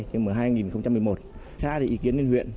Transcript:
nhưng mà năm hai nghìn một mươi một xa thì ý kiến đến huyện